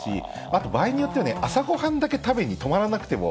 あと場合によっては、朝ごはんだけ食べに、泊まらなくても。